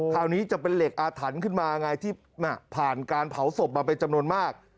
คราวนี้จะเป็นเหล็กอาถรรพ์ขึ้นมาไงที่ผ่านการเผาศพมาเป็นจำนวนมาก